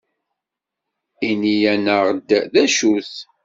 Ini-aneɣ-d d acu-t.